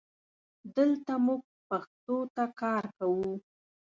دلته مونږ پښتو ته کار کوو